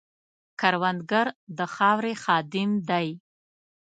کروندګر د خاورې خادم دی